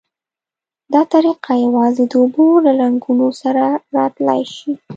دا طریقه یوازې د اوبو له رنګونو سره را تلای شي.